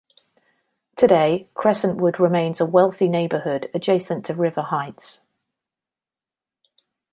Today, Crescentwood remains a wealthy neighbourhood adjacent to River Heights.